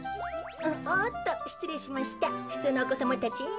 おっとしつれいしましたふつうのおこさまたち。